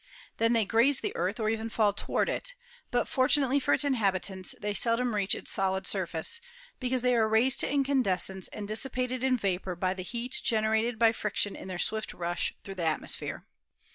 Then they graze the Earth or even fall toward it, but, for tunately for its inhabitants, they seldom reach its solid surface, because they are raised to incandescence and dis sipated in vapor by the heat generated by friction in their swift rush through the atmosphere.